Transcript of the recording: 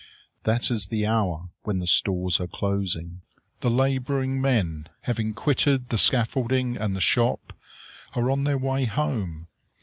That is the hour when the stores are closing. The laboring men, having quitted the scaffolding and the shop, are on their way home.